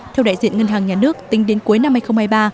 theo đại diện ngân hàng nhà nước tính đến cuối năm hai nghìn hai mươi ba